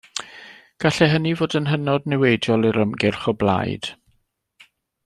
Gallai hynny fod yn hynod niweidiol i'r ymgyrch o blaid.